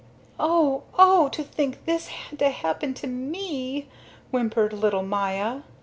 "Oh, oh, to think this had to happen to me," whimpered little Maya.